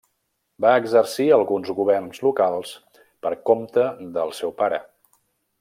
Va exercir alguns governs locals per compte del seu pare.